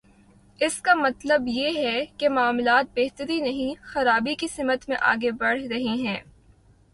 اس کا مطلب یہ ہے کہ معاملات بہتری نہیں، خرابی کی سمت میں آگے بڑھ رہے ہیں۔